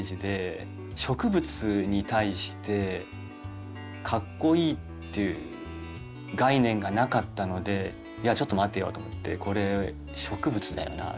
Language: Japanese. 植物に対してかっこイイっていう概念がなかったのでいやちょっと待てよと思ってこれ植物だよなと思って。